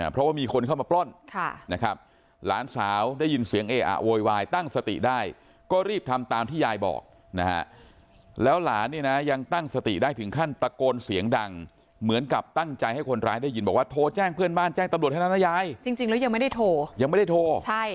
เพราะว่ามีคนเข้ามาปล้นนะครับหลานสาวได้ยินเสียงเออะโวยวายตั้งสติได้ก็รีบทำตามที่ยายบอกนะฮะแล้วหลานเนี่ยนะยังตั้งสติได้ถึงขั้นตะโกนเสียงดังเหมือนกับตั้งใจให้คนร้ายได้ยินบอกว่าโทรแจ้งเพื่อนบ้านแจ้งตำรวจเท่านั้นนะยายจริงแล้วยังไม่ได้โทรยังไม่ได้โทร